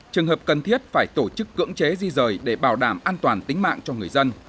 trường hợp cần thiết phải tổ chức cưỡng chế di rời để bảo đảm an toàn tính mạng cho người dân